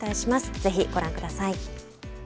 ぜひご覧ください。